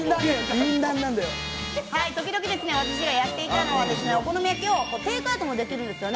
時々、私がやっていたのはお好み焼きをテイクアウトもできるんですよ。